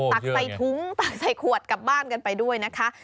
ตักใส่ถุงตักใส่ขวดกลับบ้านกันไปด้วยนะคะ